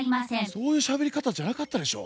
そういうしゃべり方じゃなかったでしょ。